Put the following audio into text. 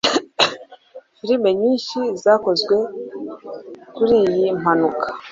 Filime nyinshi zakozwe kuri iyi mpanuka